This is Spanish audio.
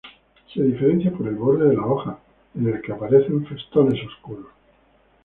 Se diferencia por el borde de las hojas, en el que aparecen festones oscuros.